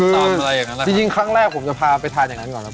คือจริงครั้งแรกผมจะพาไปทานอย่างนั้นก่อนนะ